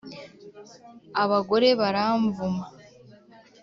Abagore baramvuma